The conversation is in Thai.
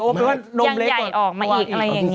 โอ้เป็นว่านมเล็กกว่าอีก